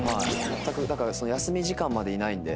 だから休み時間までいないんで。